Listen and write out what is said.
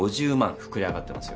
膨れ上がってますよ。